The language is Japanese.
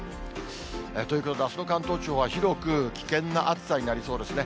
ということで、あすの関東地方は広く危険な暑さになりそうですね。